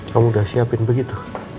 kamu udah siapin begitu